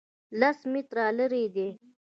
لس متره لرې دی